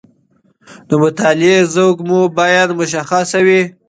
د مطالعې ذوق مو باید مشخص وي.